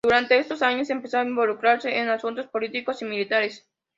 Durante estos años empezó a involucrarse en asuntos políticos y militares.